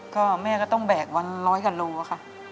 ก็แม่ก็ต้องแบกวันร้อยกว่าโลค่ะ